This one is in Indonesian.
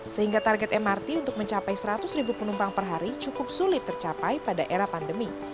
sehingga target mrt untuk mencapai seratus ribu penumpang per hari cukup sulit tercapai pada era pandemi